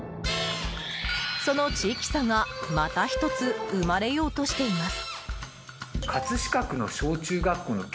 その地域差がまた１つ生まれようとしています。